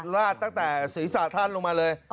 ลาดตั้งแต่ศรีษฐานลงมาเลย